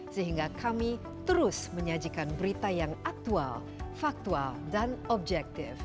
sehingga kami terus menyajikan berita yang aktual faktual dan objektif